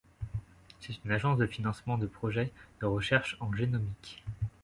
C'est une agence de financement de projets de recherche en génomique.